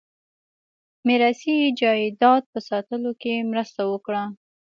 میراثي جایداد په ساتلو کې مرسته وکړه.